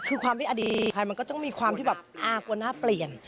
คือความที่อดีตมันก็ต้องมีความที่แบบอ่ากลัวหน้าเปลี่ยน